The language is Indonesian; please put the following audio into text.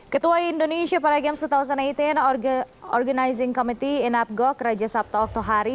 ketua indonesia paragames dua ribu delapan belas organizing committee enab goh kerajaan sabtu oktohari